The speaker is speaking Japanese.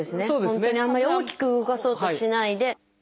本当にあんまり大きく動かそうとしないで。